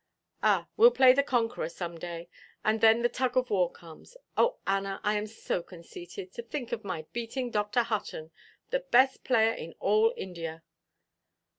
Ah, weʼll play the conqueror some day; and then the tug of war comes. Oh, Anna, I am so conceited! To think of my beating Dr. Hutton, the best player in all India."